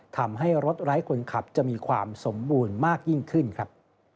ทำให้รถไร้คนขับจะมีความสมบูรณ์มากยิ่งขึ้นครับ